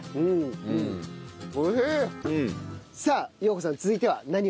さあ陽子さん続いては何を？